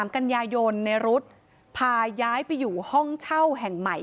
กันยายนในรถพาย้ายไปอยู่ห้องเช่าแห่งใหม่